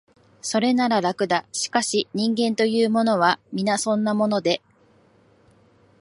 それなら、楽だ、しかし、人間というものは、皆そんなもので、